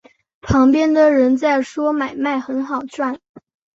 旁边的人在说买卖很好赚